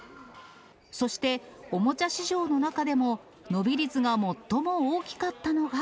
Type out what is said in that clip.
そして、おもちゃ市場の中でも伸び率が最も大きかったのが。